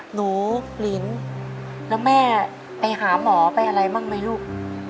หนูลินแล้วแม่ไปหาหมอไปอะไรบ้างไหมลูก